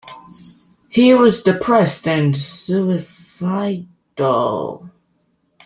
He was depressed and suicidal.